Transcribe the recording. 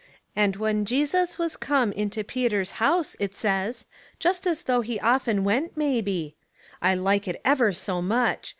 ^ And when Jesus was come into Peter's house,' it says, just as though he often went, maybe. I like it ever so much.